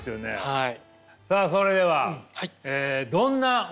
はい。